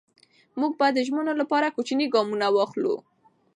موږ به د ژمنو لپاره کوچني ګامونه واخلو.